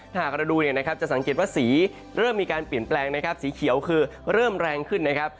ถ้าหากเราดูเนี่ยนะครับจะสังเกตว่าสีเริ่มมีการเปลี่ยนแปลงนะครับสีเขียวคือเริ่มแรงขึ้นนะครับ